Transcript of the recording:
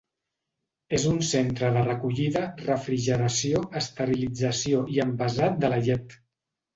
És un centre de recollida, refrigeració, esterilització i envasat de la llet.